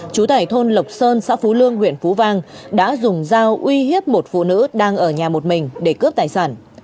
chú tải thôn lộc sơn xã phú lương huyện phú vang đã dùng dao uy hiếp một phụ nữ đang ở nhà một mình để cướp tài sản